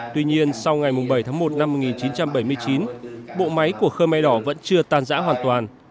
tuy nhiên sau ngày bảy tháng một năm một nghìn chín trăm bảy mươi chín bộ máy của khơ mai đỏ vẫn chưa tàn giã hoàn toàn